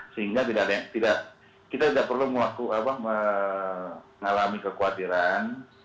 sehingga kita tidak perlu mengalami kekhawatiran